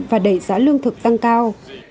và đẩy giá lương thực tăng cao